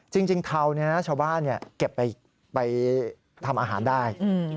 เทาชาวบ้านเก็บไปทำอาหารได้